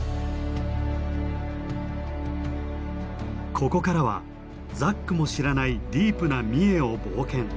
ここからはザックも知らないディープな三重を冒険。